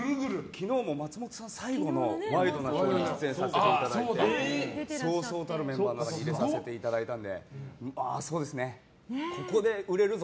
昨日も松本さん最後の「ワイドナショー」に出演させていただいてそうそうたるメンバーの中に入れさせていただいたのでここで売れるぞ！